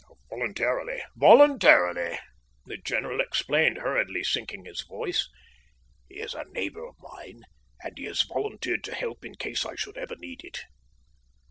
"Voluntarily, voluntarily," the general explained, hurriedly sinking his voice. "He is a neighbour of mine, and he has volunteered his help in case I should ever need it."